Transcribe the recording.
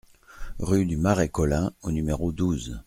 Rue du Marais Colin au numéro douze